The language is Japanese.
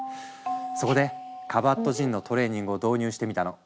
そこでカバットジンのトレーニングを導入してみたの。